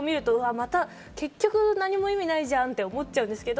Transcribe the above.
また結局、何も意味ないじゃんって思ってしまうんですけど。